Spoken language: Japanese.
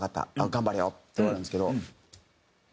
「頑張れよ」で終わるんですけど。